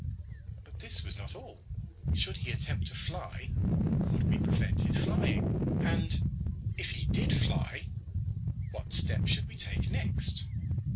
But this was not all. Should he attempt to fly, could we prevent his flying? And if he did fly, what step should we take next?